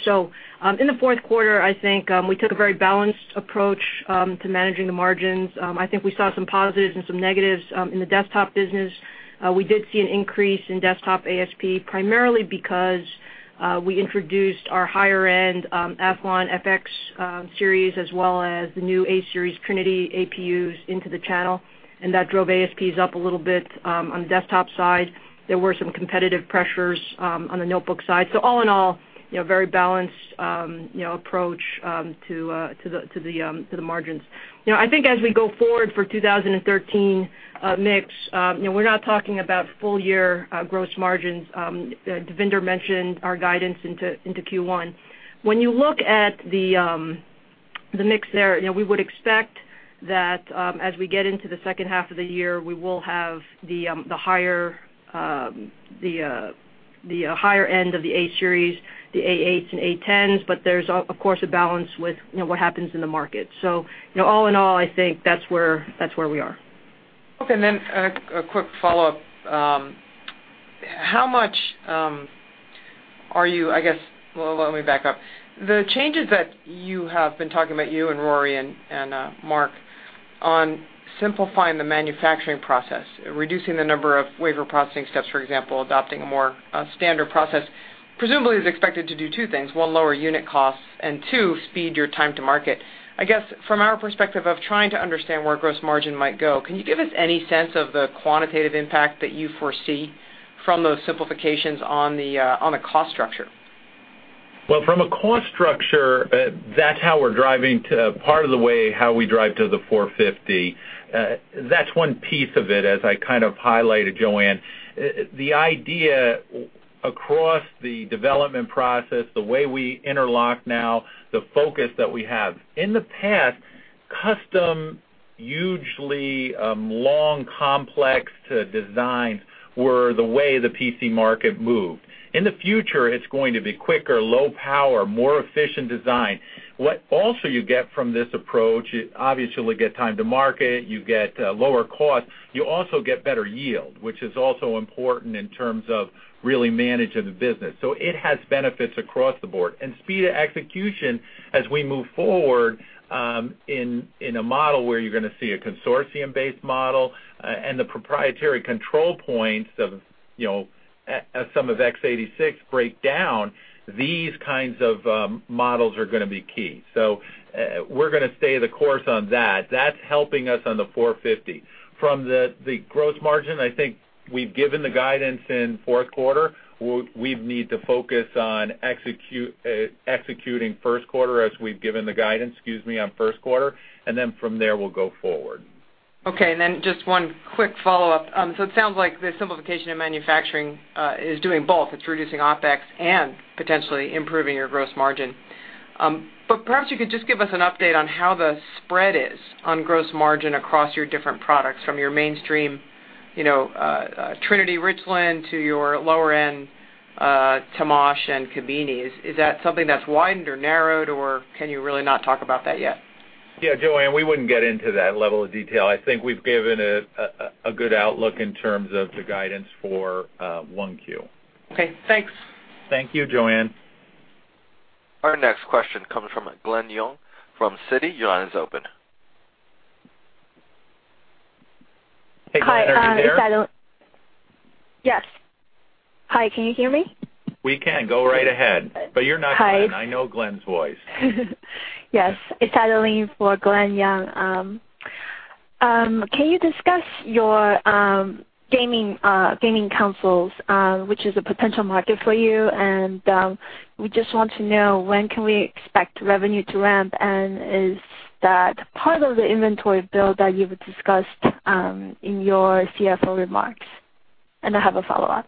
In the fourth quarter, I think, we took a very balanced approach to managing the margins. I think we saw some positives and some negatives in the desktop business. We did see an increase in desktop ASP, primarily because we introduced our higher-end Athlon FX series, as well as the new A-series Trinity APUs into the channel, and that drove ASPs up a little bit on the desktop side. There were some competitive pressures on the notebook side. All in all, very balanced approach to the margins. I think as we go forward for 2013 mix, we're not talking about full-year gross margins. Devinder mentioned our guidance into Q1. When you look at the mix there, we would expect that as we get into the second half of the year, we will have the higher end of the A-series, the A-8s and A-10s, but there's, of course, a balance with what happens in the market. All in all, I think that's where we are. Okay, a quick follow-up. How much are you, let me back up. The changes that you have been talking about, you and Rory Read and Mark Papermaster, on simplifying the manufacturing process, reducing the number of wafer processing steps, for example, adopting a more standard process, presumably is expected to do two things: one, lower unit costs, and two, speed your time to market. I guess from our perspective of trying to understand where gross margin might go, can you give us any sense of the quantitative impact that you foresee from those simplifications on the cost structure? From a cost structure, that's part of the way how we drive to the 450. That's one piece of it, as I kind of highlighted, JoAnne Feeney. The idea across the development process, the way we interlock now, the focus that we have. In the past, custom, hugely long, complex designs were the way the PC market moved. In the future, it's going to be quicker, low power, more efficient design. What also you get from this approach, obviously you'll get time to market, you get lower cost, you also get better yield, which is also important in terms of really managing the business. It has benefits across the board. Speed of execution as we move forward in a model where you're going to see a consortium-based model and the proprietary control points of some of x86 break down, these kinds of models are going to be key. We're going to stay the course on that. That's helping us on the 450. From the gross margin, I think we've given the guidance in fourth quarter. We need to focus on executing first quarter as we've given the guidance, excuse me, on first quarter. From there, we'll go forward. Okay, just one quick follow-up. It sounds like the simplification of manufacturing is doing both. It's reducing OpEx and potentially improving your gross margin. Perhaps you could just give us an update on how the spread is on gross margin across your different products, from your mainstream Trinity Richland to your lower-end Temash and Kabini. Is that something that's widened or narrowed, or can you really not talk about that yet? JoAnne, we wouldn't get into that level of detail. I think we've given a good outlook in terms of the guidance for 1Q. Okay, thanks. Thank you, JoAnne. Our next question comes from Glen Yeung from Citi. Your line is open. Hey, Glen, are you there? Hi, this is Adeline. Yes. Hi, can you hear me? We can. Go right ahead. You're not Glen. I know Glen's voice. Yes. It's Adeline for Glen Yeung. Can you discuss your gaming consoles, which is a potential market for you, and, we just want to know, when can we expect revenue to ramp, and is that part of the inventory build that you've discussed in your CFO remarks? I have a follow-up.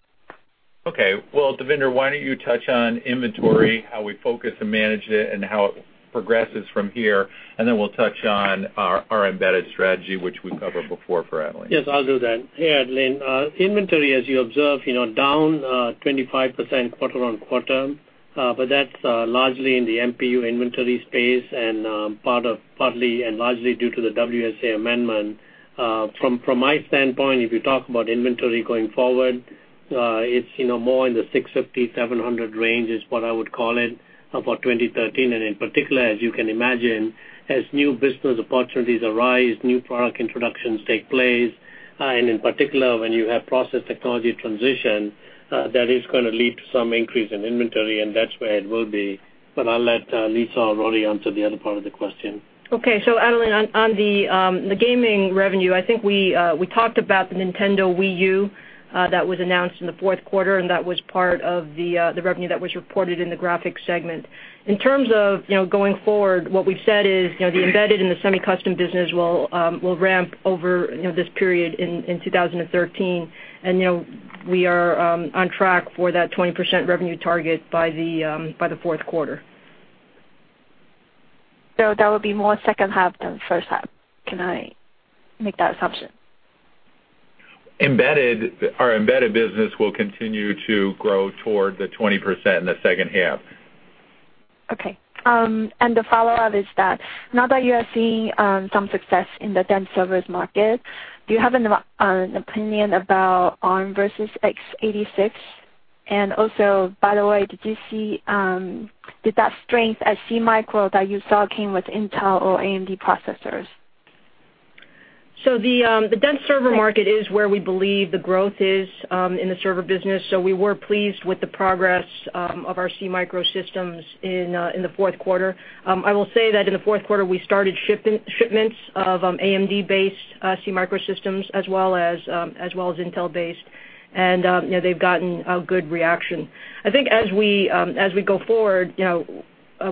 Devinder, why don't you touch on inventory, how we focus and manage it, and how it progresses from here, and then we'll touch on our embedded strategy, which we've covered before for Adeline. Yes, I'll do that. Hey, Adeline. Inventory, as you observe, down 25% quarter-on-quarter, but that's largely in the MPU inventory space and partly and largely due to the WSA amendment. From my standpoint, if you talk about inventory going forward, it's more in the $650-$700 range, is what I would call it, for 2013. In particular, as you can imagine, as new business opportunities arise, new product introductions take place, and in particular, when you have process technology transition, that is going to lead to some increase in inventory, and that's where it will be. I'll let Lisa or Rory answer the other part of the question. Adeline, on the gaming revenue, I think we talked about the Nintendo Wii U that was announced in the fourth quarter, and that was part of the revenue that was reported in the graphics segment. In terms of going forward, what we've said is, the embedded and the semi-custom business will ramp over this period in 2013. We are on track for that 20% revenue target by the fourth quarter. That would be more second half than first half. Can I make that assumption? Our embedded business will continue to grow toward the 20% in the second half. Okay. The follow-up is that now that you are seeing some success in the dense servers market, do you have an opinion about ARM versus x86? Did that strength at SeaMicro that you saw came with Intel or AMD processors? The dense server market is where we believe the growth is in the server business, so we were pleased with the progress of our SeaMicro Systems in the fourth quarter. I will say that in the fourth quarter, we started shipments of AMD-based SeaMicro Systems as well as Intel-based, and they've gotten a good reaction. I think as we go forward,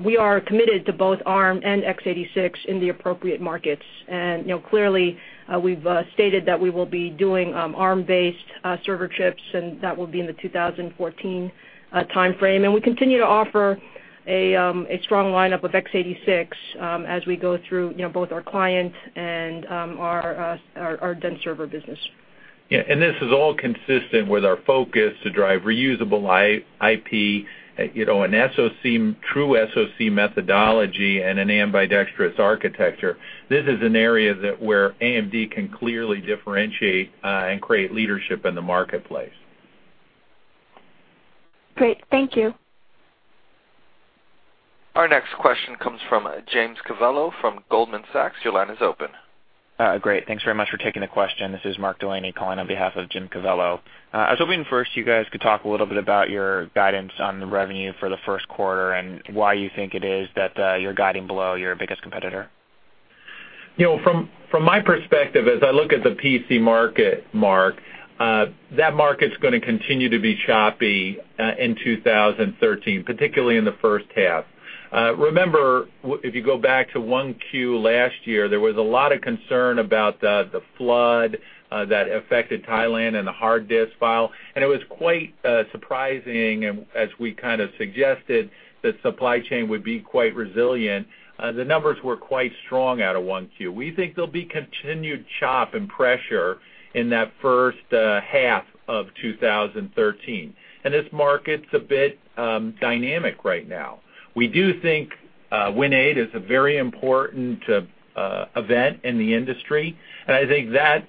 we are committed to both ARM and x86 in the appropriate markets. We've stated that we will be doing ARM-based server chips, and that will be in the 2014 timeframe. We continue to offer a strong lineup of x86 as we go through both our client and our dense server business. This is all consistent with our focus to drive reusable IP, an SoC, true SoC methodology, and an ambidextrous architecture. This is an area where AMD can clearly differentiate and create leadership in the marketplace. Great. Thank you. Our next question comes from Jim Covello from Goldman Sachs. Your line is open. Great. Thanks very much for taking the question. This is Mark Delaney calling on behalf of Jim Covello. I was hoping first you guys could talk a little bit about your guidance on the revenue for the first quarter and why you think it is that you're guiding below your biggest competitor. From my perspective, as I look at the PC market, Mark, that market's going to continue to be choppy in 2013, particularly in the first half. Remember, if you go back to 1Q last year, there was a lot of concern about the flood that affected Thailand and the hard disk drive, and it was quite surprising, as we kind of suggested, the supply chain would be quite resilient. The numbers were quite strong out of 1Q. We think there'll be continued chop and pressure in that first half of 2013, and this market's a bit dynamic right now. We do think Windows 8 is a very important event in the industry, and I think that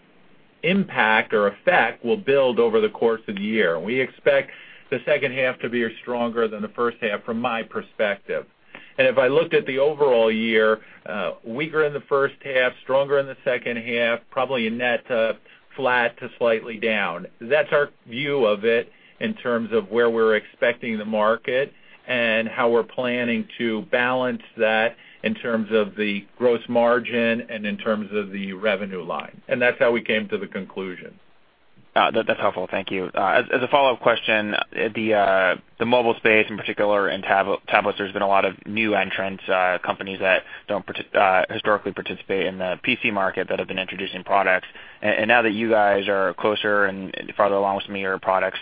impact or effect will build over the course of the year. We expect the second half to be stronger than the first half, from my perspective. If I looked at the overall year, weaker in the first half, stronger in the second half, probably a net flat to slightly down. That's our view of it in terms of where we're expecting the market and how we're planning to balance that in terms of the gross margin and in terms of the revenue line. That's how we came to the conclusion. That's helpful. Thank you. As a follow-up question, the mobile space in particular and tablets, there's been a lot of new entrants, companies that don't historically participate in the PC market that have been introducing products. Now that you guys are closer and farther along with some of your products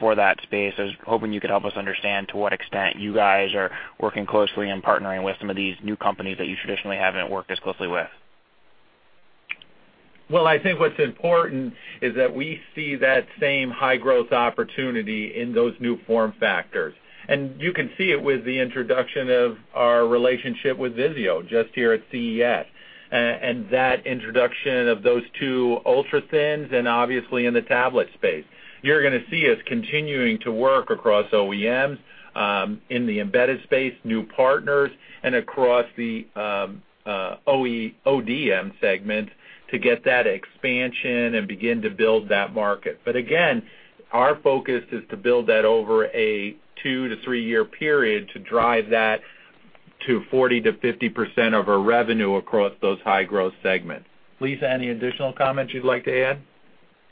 for that space, I was hoping you could help us understand to what extent you guys are working closely and partnering with some of these new companies that you traditionally haven't worked as closely with. Well, I think what's important is that we see that same high growth opportunity in those new form factors. You can see it with the introduction of our relationship with Vizio just here at CES, and that introduction of those two ultra-thins and obviously in the tablet space. You're going to see us continuing to work across OEMs, in the embedded space, new partners, and across the ODM segment to get that expansion and begin to build that market. Again, our focus is to build that over a two to three-year period to drive that to 40%-50% of our revenue across those high-growth segments. Lisa, any additional comments you'd like to add?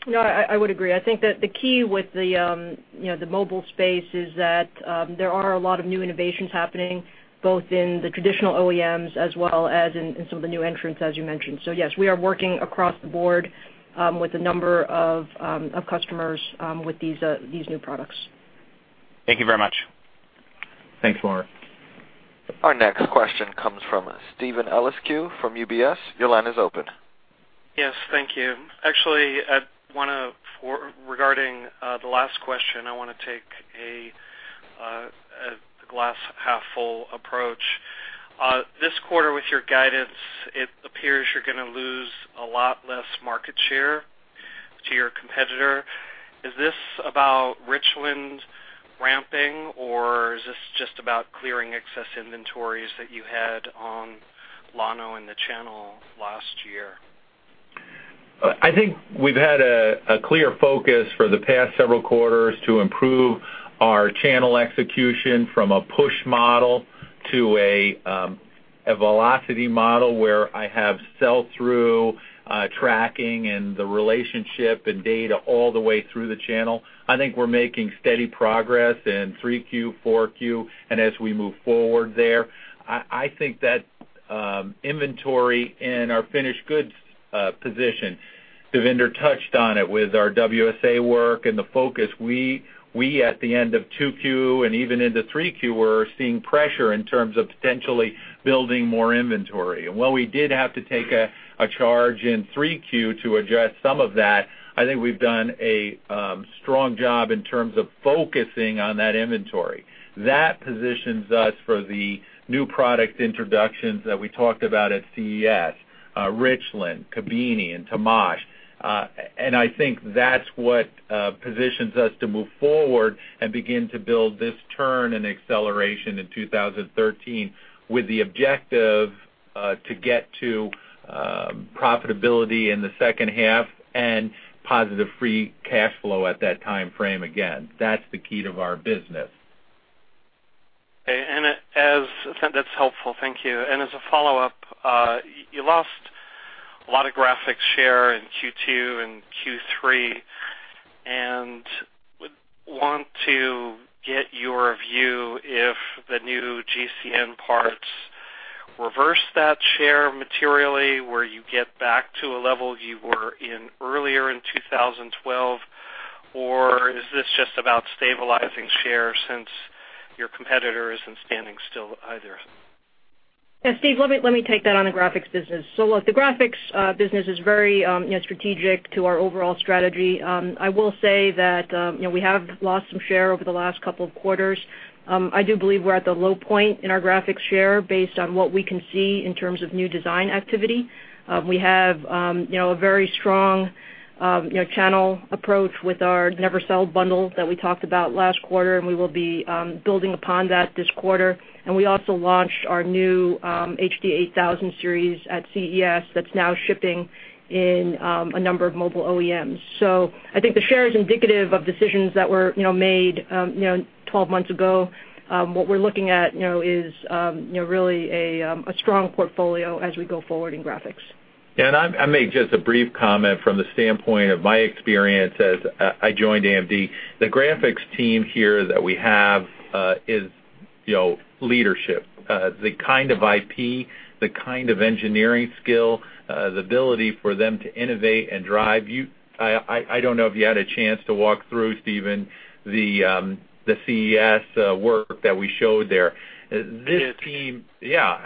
No, I would agree. I think that the key with the mobile space is that there are a lot of new innovations happening, both in the traditional OEMs as well as in some of the new entrants, as you mentioned. Yes, we are working across the board with a number of customers with these new products. Thank you very much. Thanks, Mark. Our next question comes from Steven Eliscu from UBS. Your line is open. Yes, thank you. Actually, regarding the last question, I want to take a glass-half-full approach. This quarter with your guidance, it appears you're going to lose a lot less market share to your competitor. Is this about Richland ramping, or is this just about clearing excess inventories that you had on Llano in the channel last year? I think we've had a clear focus for the past several quarters to improve our channel execution from a push model to a velocity model where I have sell-through tracking and the relationship and data all the way through the channel. I think we're making steady progress in Q3, Q4, as we move forward there. I think that inventory and our finished goods position, Devinder touched on it with our WSA work and the focus. We, at the end of Q2 and even into Q3, were seeing pressure in terms of potentially building more inventory. While we did have to take a charge in Q3 to address some of that, I think we've done a strong job in terms of focusing on that inventory. That positions us for the new product introductions that we talked about at CES, Richland, Kabini, and Temash. I think that's what positions us to move forward and begin to build this turn and acceleration in 2013 with the objective to get to profitability in the second half and positive free cash flow at that time frame again. That's the key to our business. Okay. That's helpful. Thank you. As a follow-up, you lost a lot of graphics share in Q2 and Q3, would want to get your view if the new GCN parts reverse that share materially, where you get back to a level you were in earlier in 2012, or is this just about stabilizing share since your competitor isn't standing still either? Yeah, Steve, let me take that on the graphics business. Look, the graphics business is very strategic to our overall strategy. I will say that we have lost some share over the last couple of quarters. I do believe we're at the low point in our graphics share based on what we can see in terms of new design activity. We have a very strong channel approach with our Never Settle bundle that we talked about last quarter, and we will be building upon that this quarter. We also launched our new HD 8000 series at CES that's now shipping in a number of mobile OEMs. I think the share is indicative of decisions that were made 12 months ago. What we're looking at is really a strong portfolio as we go forward in graphics. I'll make just a brief comment from the standpoint of my experience as I joined AMD. The graphics team here that we have is leadership. The kind of IP, the kind of engineering skill, the ability for them to innovate and drive. I don't know if you had a chance to walk through, Steven, the CES work that we showed there. Yes.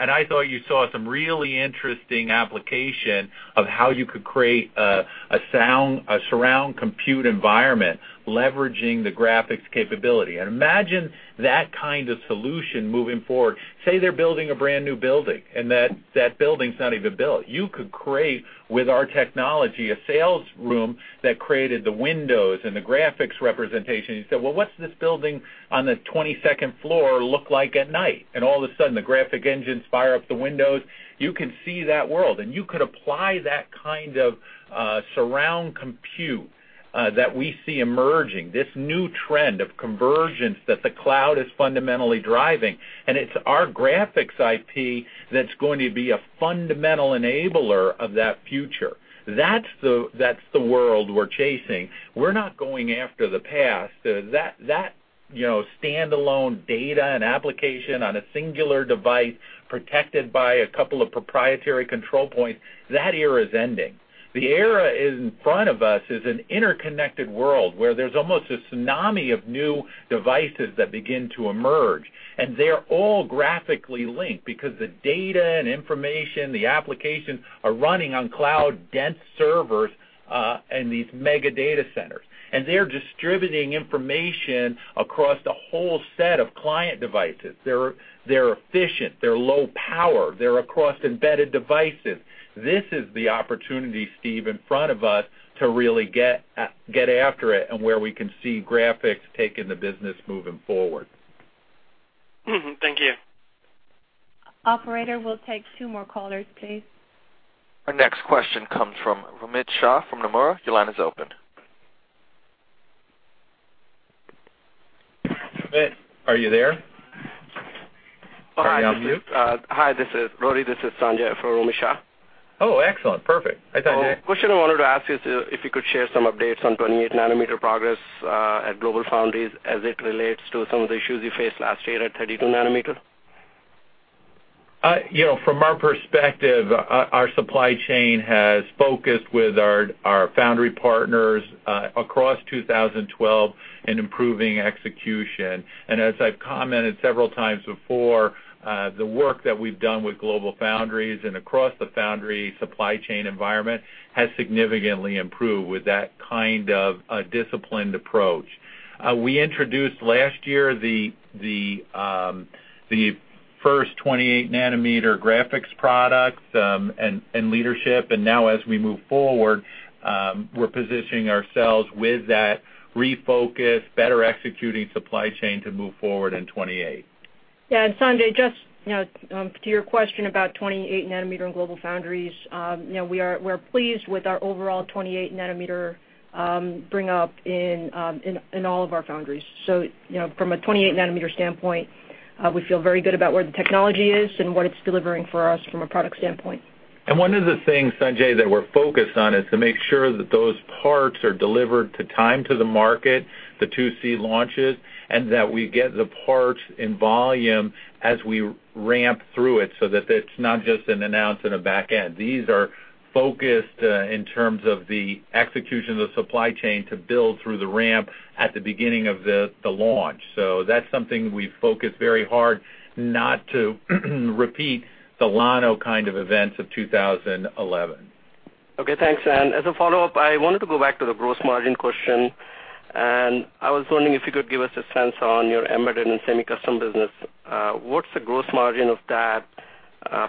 I thought you saw some really interesting application of how you could create a surround compute environment leveraging the graphics capability. Imagine that kind of solution moving forward. Say they're building a brand-new building and that building's not even built. You could create with our technology, a sales room that created the windows and the graphics representation and say, "Well, what's this building on the 22nd floor look like at night?" All of a sudden, the graphic engines fire up the windows. You can see that world, and you could apply that kind of surround compute that we see emerging, this new trend of convergence that the cloud is fundamentally driving, and it's our graphics IP that's going to be a fundamental enabler of that future. That's the world we're chasing. We're not going after the past. That standalone data and application on a singular device protected by a couple of proprietary control points, that era is ending. The era in front of us is an interconnected world, where there's almost a tsunami of new devices that begin to emerge, and they're all graphically linked because the data and information, the applications are running on cloud dense servers, and these mega data centers. They're distributing information across the whole set of client devices. They're efficient, they're low power, they're across embedded devices. This is the opportunity, Steve, in front of us to really get after it and where we can see graphics taking the business moving forward. Mm-hmm. Thank you. Operator, we'll take two more callers, please. Our next question comes from Romit Shah from Nomura. Your line is open. Romit, are you there? Are you out there? Hi, Rory, this is Sanjay for Romit Shah. Oh, excellent. Perfect. I thought you had. Question I wanted to ask is if you could share some updates on 28 nanometer progress, at GlobalFoundries as it relates to some of the issues you faced last year at 32 nanometer. From our perspective, our supply chain has focused with our foundry partners, across 2012 in improving execution. As I've commented several times before, the work that we've done with GlobalFoundries and across the foundry supply chain environment has significantly improved with that kind of a disciplined approach. We introduced last year the first 28 nanometer graphics products, and leadership, and now as we move forward, we're positioning ourselves with that refocused, better executing supply chain to move forward in 28. Yeah, Sanjay, just to your question about 28 nanometer and GlobalFoundries, we're pleased with our overall 28 nanometer bring up in all of our foundries. From a 28 nanometer standpoint, we feel very good about where the technology is and what it's delivering for us from a product standpoint. One of the things, Sanjay, that we're focused on is to make sure that those parts are delivered on time to the market, the PC launches, and that we get the parts in volume as we ramp through it so that it's not just an announce and a back end. These are focused, in terms of the execution of the supply chain to build through the ramp at the beginning of the launch. That's something we've focused very hard not to repeat the Llano kind of events of 2011. Okay, thanks. As a follow-up, I wanted to go back to the gross margin question, and I was wondering if you could give us a sense on your embedded and semi-custom business. What's the gross margin of that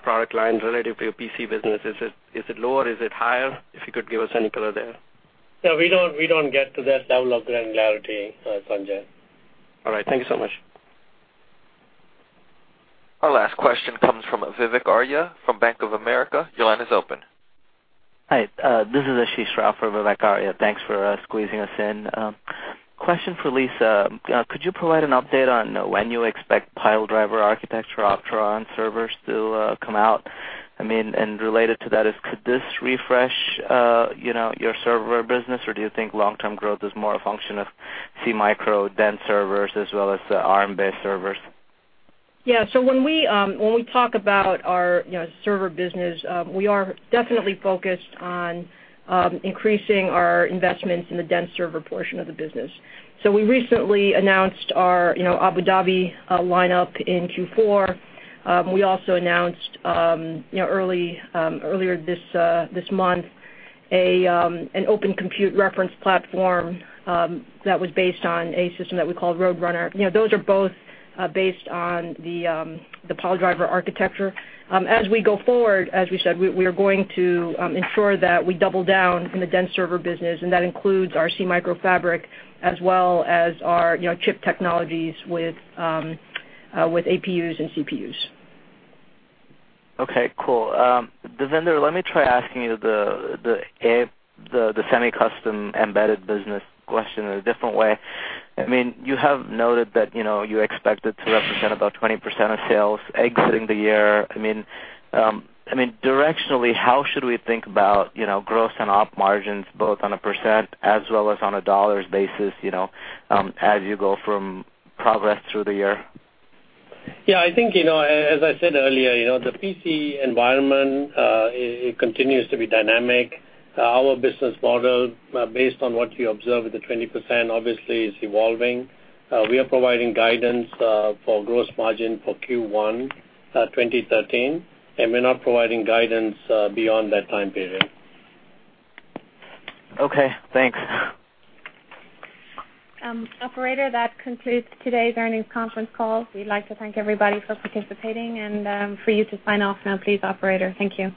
product line relative to your PC business? Is it lower? Is it higher? If you could give us any color there. No, we don't get to that level of granularity, Sanjay. All right. Thank you so much. Our last question comes from Vivek Arya from Bank of America. Your line is open. Hi, this is Ashish Rao for Vivek Arya. Thanks for squeezing us in. Question for Lisa. Could you provide an update on when you expect Piledriver architecture Opteron servers to come out? Related to that is, could this refresh your server business, or do you think long-term growth is more a function of SeaMicro dense servers as well as the ARM-based servers? Yeah. When we talk about our server business, we are definitely focused on increasing our investments in the dense server portion of the business. We recently announced our Abu Dhabi lineup in Q4. We also announced earlier this month an Open Compute reference platform, that was based on a system that we call Roadrunner. Those are both based on the Piledriver architecture. As we go forward, as we said, we are going to ensure that we double down in the dense server business. That includes our SeaMicro fabric as well as our chip technologies with APUs and CPUs. Okay, cool. Devinder, let me try asking you the semi-custom embedded business question in a different way. You have noted that you expect it to represent about 20% of sales exiting the year. Directionally, how should we think about gross and op margins, both on a % as well as on a dollars basis, as you go from progress through the year? Yeah, I think, as I said earlier, the PC environment, it continues to be dynamic. Our business model, based on what you observe with the 20%, obviously, is evolving. We are providing guidance for gross margin for Q1 2013. We're not providing guidance beyond that time period. Okay, thanks. Operator, that concludes today's earnings conference call. We'd like to thank everybody for participating and for you to sign off now, please, operator. Thank you.